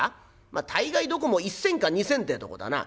「まあ大概どこも１銭か２銭ってえとこだな」。